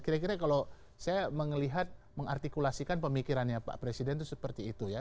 kira kira kalau saya melihat mengartikulasikan pemikirannya pak presiden itu seperti itu ya